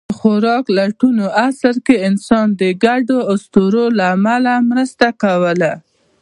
د خوراک لټوني عصر کې انسانان د ګډو اسطورو له امله مرسته کوله.